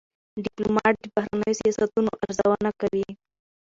ډيپلومات د بهرنیو سیاستونو ارزونه کوي.